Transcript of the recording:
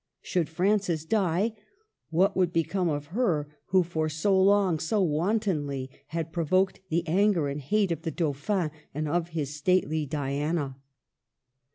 Should Francis die, what would become of her who for so long, so wantonly, had provoked the anger and hate of the Dauphin and of his stately Diana?